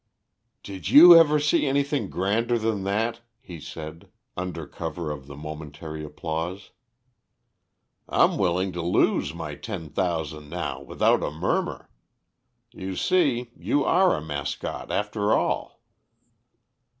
"Did you ever see anything grander than that?" he said, under cover of the momentary applause. "I'm willing to lose my ten thousand now without a murmur. You see, you are a mascot after all."